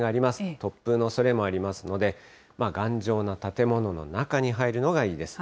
突風のおそれもありますので、頑丈な建物の中に入るのがいいです。